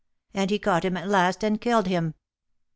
and he caught him at last and killed him."